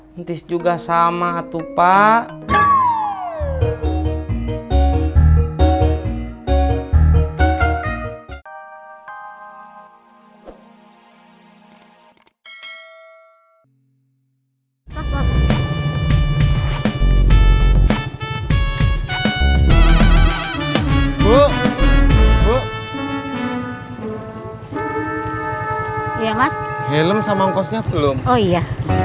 mentis juga sama atuh pak bu bu iya mas helm sama kosnya belum oh iya